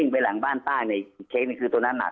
ไปหลังบ้านนั้นต้านทุกเค้กนี่คือตัวนั้นนัก